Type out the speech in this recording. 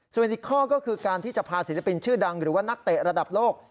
ส่วนอีกข้อก็คือการที่จะพาศิลปินชื่อดังหรือว่านักเตะระดับโลก